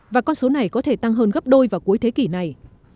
và con số này có thể tăng hơn gấp đôi vào cuối thế kỷ này